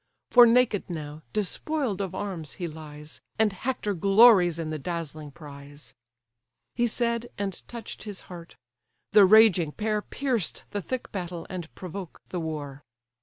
For naked now, despoiled of arms, he lies; And Hector glories in the dazzling prize." He said, and touch'd his heart. The raging pair Pierced the thick battle, and provoke the war.